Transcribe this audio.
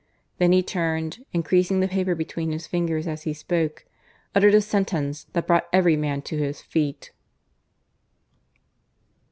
Then he turned, and creasing the paper between his fingers as he spoke, uttered a sentence that brought every man to his feet.